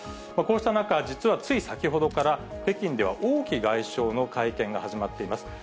こうした中、実はつい先ほどから北京では王毅外相の会見が始まっています。